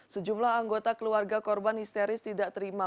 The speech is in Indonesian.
sejumlah anggota keluarga korban histeris tidak terima